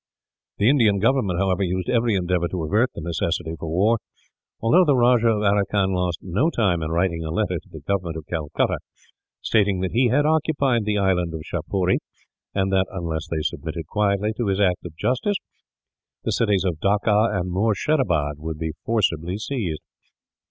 The Indian government, however, used every endeavour to avert the necessity for war; although the Rajah of Aracan lost no time in writing a letter to the government of Calcutta, stating that he had occupied the island of Shapuree, and that unless they submitted quietly to this act of justice, the cities of Dacca and Moorshedabad would be forcibly seized.